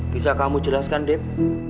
bisa kamu jelaskan deb